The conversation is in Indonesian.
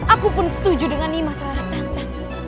aku pun setuju dengan ini mas rahasanta